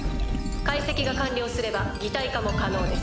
解析が完了すれば擬態化も可能です」。